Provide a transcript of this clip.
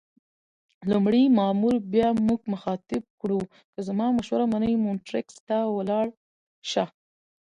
لومړي مامور بیا موږ مخاطب کړو: که زما مشوره منې مونټریکس ته ولاړ شه.